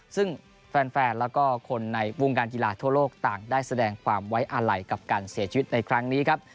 ซึ่งแฟนแล้วก็คนในวงการกีฬาทั่วโลกต่างได้แสดงความไว้อาลัยกับการเสียชีวิตในครั้งนี้ครับ